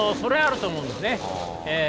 それはあると思うんですね。